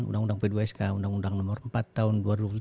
undang undang p dua sk undang undang nomor empat tahun dua ribu tujuh belas